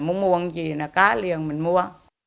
muốn mua gì là có liền mình mua